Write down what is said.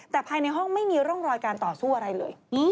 แต่ภายในห้องไม่มีร่องรอยการต่อสู้อะไรเลย